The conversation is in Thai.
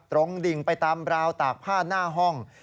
ดิ่งไปตามราวตากผ้าหน้าห้อง